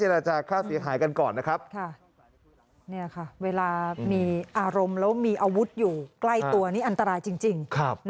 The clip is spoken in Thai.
เวลามีอารมณ์แล้วมีอาวุธอยู่ใกล้ตัวนี่อันตรายจริง